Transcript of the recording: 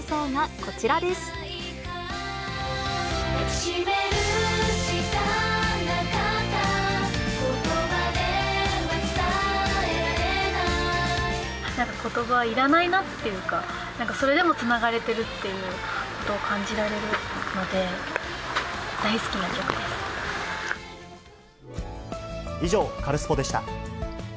ことばいらないなっていうか、なんかそれでもつながれてるっていうことを感じられるので、以上、カルスポっ！でした。